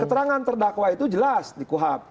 keterangan terdakwa itu jelas di kuhap